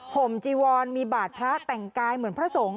ห่มจีวอนมีบาดพระแต่งกายเหมือนพระสงฆ์